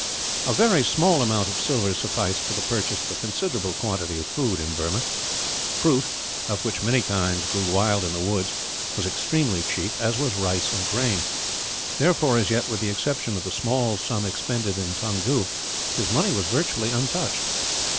A very small amount of silver sufficed for the purchase of a considerable quantity of food in Burma. Fruit, of which many kinds grew wild in the woods, was extremely cheap; as was rice and grain. Therefore as yet, with the exception of the small sum expended in Toungoo, his money was virtually untouched.